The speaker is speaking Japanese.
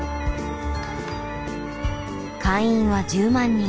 会員は１０万人。